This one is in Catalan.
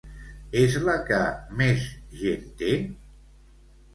És la que més gent té?